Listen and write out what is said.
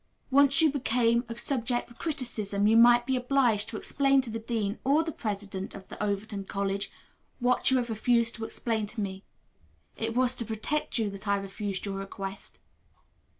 Once you became a subject for criticism you might be obliged to explain to the dean or the president of the Overton College what you have refused to explain to me. It was to protect you that I refused your request.